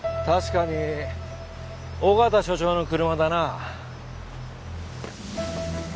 確かに緒方署長の車だな。